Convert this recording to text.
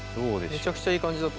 めちゃくちゃいい感じだと。